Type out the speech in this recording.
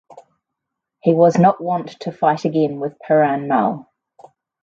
He was not want to fight again with Puran Mal.